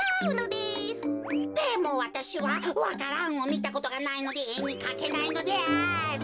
でもわたしはわか蘭をみたことがないのでえにかけないのである。